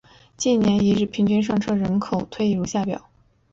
近年一日平均上车人次推移如下表。